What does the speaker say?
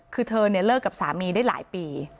คือเธอเนี่ยเลิกกับสามีได้หลายปี